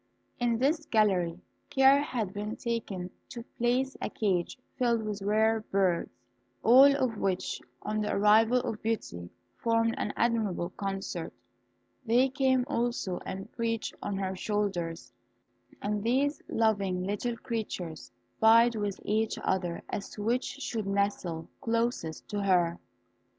In this gallery care had been taken to place a cage filled with rare birds, all of which, on the arrival of Beauty, formed an admirable concert. They came also and perched on her shoulders, and these loving little creatures vied with each other as to which should nestle closest to her.